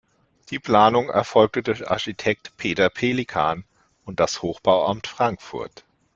Die Planung erfolgte durch Architekt Peter Pelikan und das Hochbauamt Frankfurt.